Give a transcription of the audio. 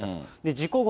事故後、